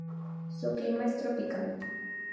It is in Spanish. Su clima es tropical.